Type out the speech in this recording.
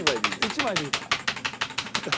１枚でいいから。